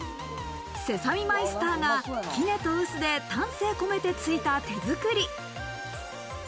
セサミマイスターが杵と臼で丹精込めてついた手づくり。